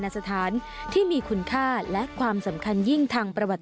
สวัสดีครับ